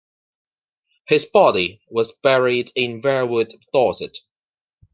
His body was buried in Verwood, Dorset.